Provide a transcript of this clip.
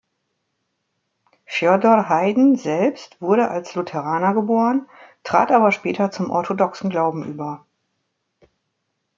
Fjodor Heiden selbst wurde als Lutheraner geboren, trat aber später zum orthodoxen Glauben über.